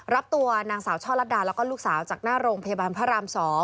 แล้วก็ลูกสาวจากหน้าโรงพยาบาลพระราม๒